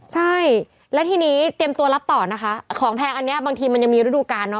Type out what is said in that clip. ใช่แล้วทีนี้เตรียมตัวรับต่อนะคะของแพงอันนี้บางทีมันยังมีฤดูการเนอ